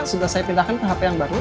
sudah saya pindahkan ke hp yang baru